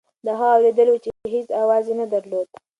دا هغه اورېدل وو چې هېڅ اواز یې نه درلود.